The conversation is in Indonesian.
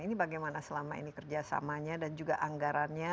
ini bagaimana selama ini kerjasamanya dan juga anggarannya